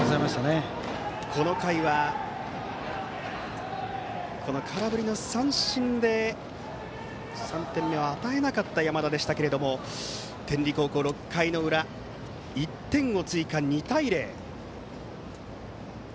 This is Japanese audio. この回は、空振り三振で３点目を与えなかった山田ですが天理高校、６回の裏１点を追加で２対０。